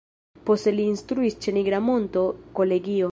Poste li instruis ĉe Nigra Monto Kolegio.